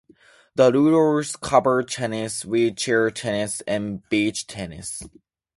The Rules cover tennis, wheelchair tennis, and beach tennis.